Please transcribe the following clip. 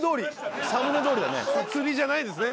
釣りじゃないですね。